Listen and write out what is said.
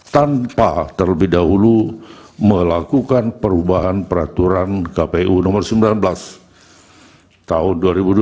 tanpa terlebih dahulu melakukan perubahan peraturan kpu nomor sembilan belas tahun dua ribu dua puluh